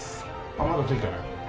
あっまだ着いてない？